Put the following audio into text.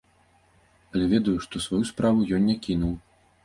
Але ведаю, што сваю справу ён не кінуў.